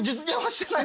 してない。